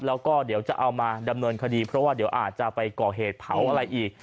แล้วก็เดี๋ยวจะเอามาดำเนินคดีเพราะว่าเดี๋ยวอาจจะไปก่อเหตุเผาอะไรอีก